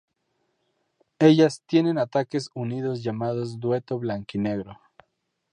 Ellas tienen ataques unidos llamados dueto "Blanquinegro".